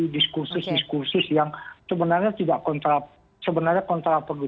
diskusis diskusis yang sebenarnya kontraperduk